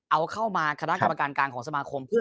เอาเข้ามาคณะกรรมการการของสมาคมเพื่อ